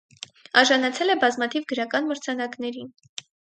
Արժանացել է բազմաթիվ գրական մրցանակների։